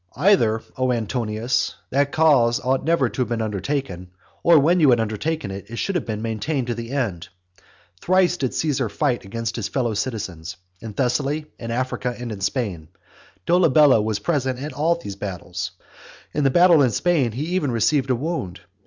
Either, O Antonius, that cause ought never to have been undertaken, or when you had undertaken it, it should have been maintained to the end. Thrice did Caesar fight against his fellow citizens; in Thessaly, in Africa, and in Spain. Dolabella was present at all these battles. In the battle in Spain he even received a wound.